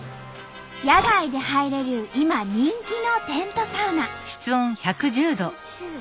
野外で入れる今人気のテントサウナ。